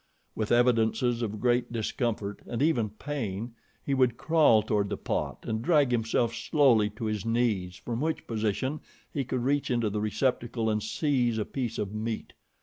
With evidences of great discomfort, and even pain, he would crawl toward the pot and drag himself slowly to his knees, from which position he could reach into the receptacle and seize a piece of meat.